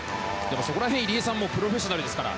そこら辺、入江さんもプロフェッショナルですから。